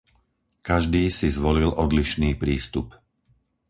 Každý si zvolil odlišný prístup.